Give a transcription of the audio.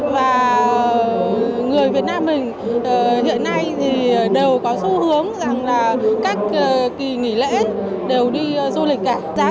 và người việt nam mình hiện nay thì đều có xu hướng rằng là các kỳ nghỉ lễ đều đi du lịch ạ